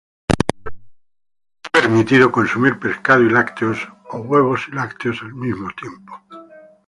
Está permitido consumir pescado y lácteos, o huevos y lácteos al mismo tiempo.